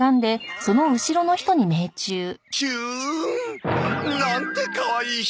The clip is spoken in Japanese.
キューン！なんてかわいい人！